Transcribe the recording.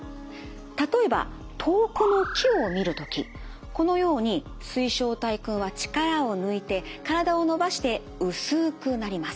例えば遠くの木を見る時このように水晶体くんは力を抜いて体を伸ばして薄くなります。